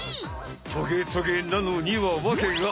トゲトゲなのにはわけがある。